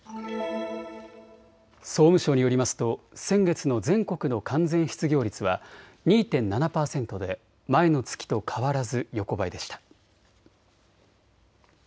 総務省によりますと先月の全国の完全失業率は２．７％で前の月と変わらず横ばいでした。